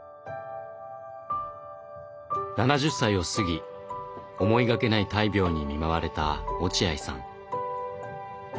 ７０歳を過ぎ思いがけない大病に見舞われた落合さん。